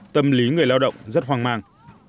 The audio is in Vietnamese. tâm lý người lao động rất hoang mang